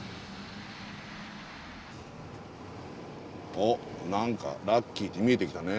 あっ何かラッキーって見えてきたね。